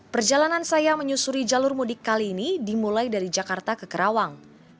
perjalanan saya menyusuri jalur mudik kali ini dimulai dari jakarta ke kerawang